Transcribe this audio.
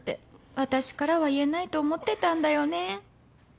私からは言えないと思ってたんだよね